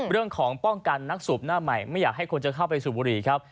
ป้องกันนักสูบหน้าใหม่ไม่อยากให้คนจะเข้าไปสูบบุหรี่ครับ